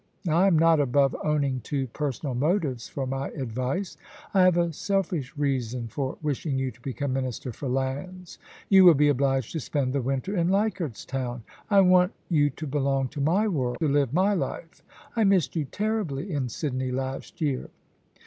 I am not above owning to personal motives for my advice. I have a selfish reason for wishing you to become Minister for I^nds. You will be obliged to spend the winter in Leichardt's Towa I want you to belong to my world, to live my life. I missed you terribly in Sydney last year.'